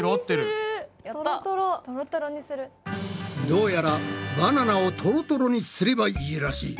どうやらバナナをトロトロにすればいいらしい。